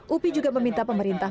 upi juga meminta pemerintah